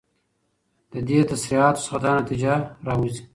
له دي تصريحاتو څخه دا نتيجه راوځي